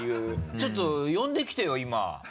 ちょっと呼んできてよ今。